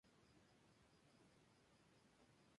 Potts fue miembro fundador de "The Chieftains".